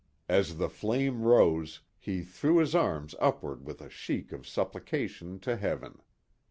As the flame rose, he threw his arms upward with a shriek of supplication to heaven.